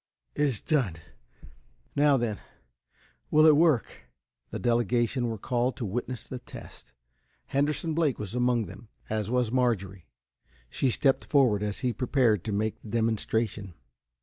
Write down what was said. "It is done! Now then will it work?" The delegation were called to witness the test. Henderson Blake was among them, as was Marjorie. She stepped forward, as he prepared to make the demonstration.